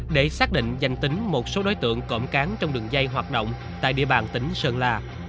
để xác định danh tính một số đối tượng cộng cán trong đường dây hoạt động tại địa bàn tỉnh sơn la